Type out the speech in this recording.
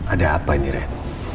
ada apa ini red